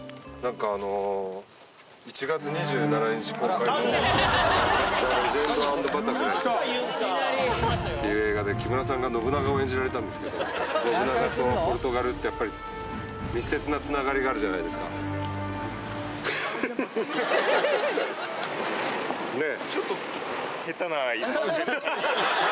「ザ・レジェンド＆バタフライ」っていう映画で木村さんが信長を演じられたんですけど信長とポルトガルってやっぱり密接なつながりがあるじゃないですかねえ